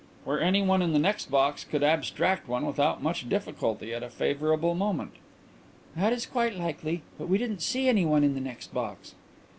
"Where anyone in the next box could abstract one without much difficulty at a favourable moment." "That is quite likely. But we didn't see anyone in the next box."